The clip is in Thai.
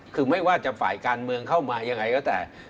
คือไม่ว่าจะฝ่ายการเมืองเข้ามายังไงก็แต่